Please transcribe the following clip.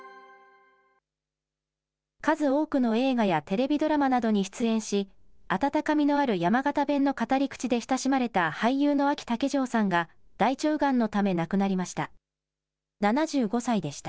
数多くの映画やテレビドラマなどに出演し、温かみのある山形弁の語り口で親しまれた俳優のあき竹城さんが、大腸がんのため亡くなりました。